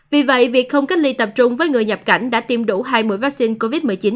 vì vậy việc không cách ly tập trung với người nhập cảnh đã tiêm đủ hai mũi vaccine covid một mươi chín